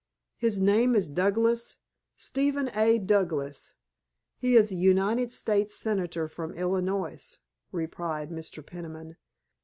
"His name is Douglas—Stephen A. Douglas. He is a United States Senator from Illinois," replied Mr. Peniman.